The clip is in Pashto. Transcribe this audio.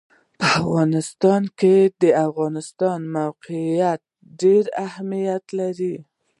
په افغانستان کې د افغانستان د موقعیت ډېر اهمیت لري.